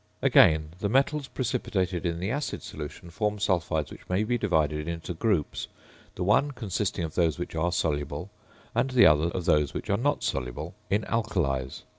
Again, the metals precipitated in the acid solution form sulphides which may be divided into groups, the one consisting of those which are soluble, and the other of those which are not soluble, in alkalies.